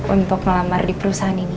untuk ngelamar di perusahaan ini